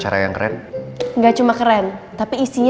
apa yang kau lakuin di sini